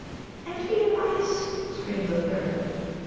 "] "And feet of ice," screamed the third.